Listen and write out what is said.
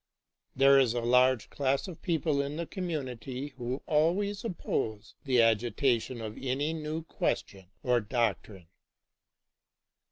There is a large class of people in the commun ity who always oppose the agitation of any new question or doctrine.